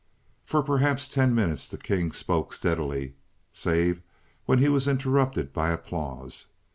"For perhaps ten minutes the king spoke steadily, save when he was interrupted by applause.